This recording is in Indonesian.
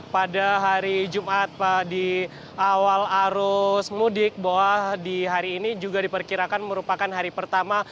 pada hari jumat di awal arus mudik bahwa di hari ini juga diperkirakan merupakan hari pertama